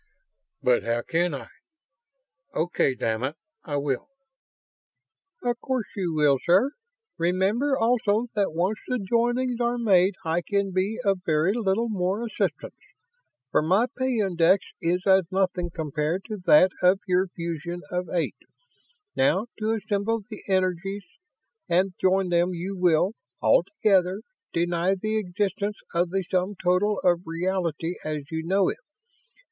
"But how can I.... Okay, damn it. I will!" "Of course you will, sir. Remember also that once the joinings are made I can be of very little more assistance, for my peyondix is as nothing compared to that of your fusion of eight. Now, to assemble the energies and join them you will, all together, deny the existence of the sum total of reality as you know it.